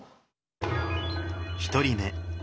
１人目。